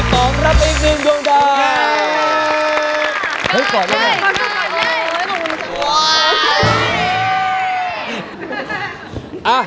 เก่งมาก